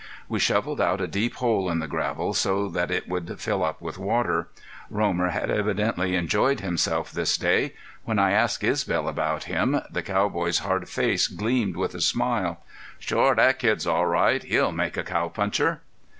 We shoveled out a deep hole in the gravel, so that it would fill up with water. Romer had evidently enjoyed himself this day. When I asked Isbel about him the cowboy's hard face gleamed with a smile: "Shore thet kid's all right. He'll make a cowpuncher!"